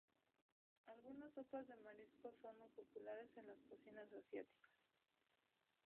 Algunas sopas de mariscos son muy populares en las cocinas asiáticas.